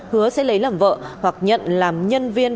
hứa sẽ lấy làm vợ hoặc nhận làm nhân viên